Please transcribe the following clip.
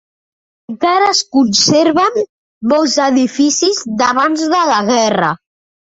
Encara es conserven molts edificis d'abans de la guerra.